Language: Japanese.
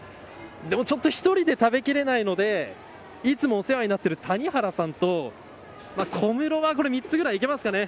１人で食べ切れないのでいつもお世話になっている谷原さんと小室は３つぐらいいけますかね。